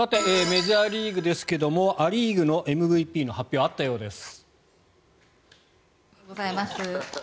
メジャーリーグですがア・リーグのＭＶＰの発表があったようです。